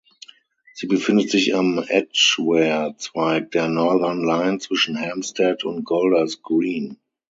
Sie befindet sich am Edgware-Zweig der Northern Line zwischen Hampstead und Golders Green.